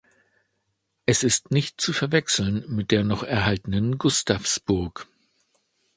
Es ist nicht zu verwechseln mit der noch erhaltenen Gustavsburg.